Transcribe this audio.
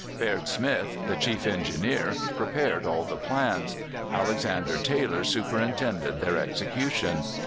Baird Smith, the Chief Engineer, prepared all the plans; Alexander Taylor superintended their execution.